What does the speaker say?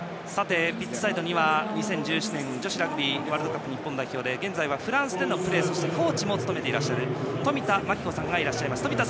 ピッチサイドには２０１７年女子ラグビーワールドカップの日本代表で現在はフランスでのプレーそしてコーチも務めています冨田真紀子さんがいらっしゃいます。